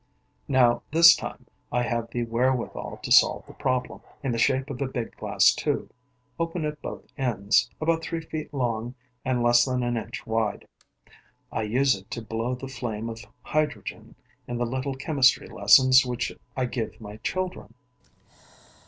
Now, this time, I have the wherewithal to solve the problem, in the shape of a big glass tube, open at both ends, about three feet long and less than an inch wide. I use it to blow the flame of hydrogen in the little chemistry lessons which I give my children.